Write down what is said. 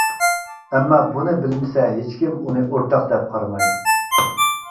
ئەمما بۇنى بىلمىسە ھېچكىم ئۇنى ئورتاق دەپ قارىمايدۇ.